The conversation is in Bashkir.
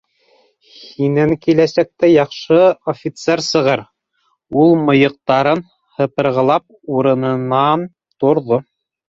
Һинән киләсәктә яҡшы офицер сығыр, — ул мыйыҡтарын һыпырғылап урынынан торҙо.